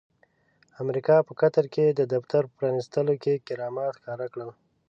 امريکا په قطر کې د دفتر په پرانستلو کې کرامات ښکاره کړل.